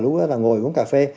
lúc đó là ngồi uống cà phê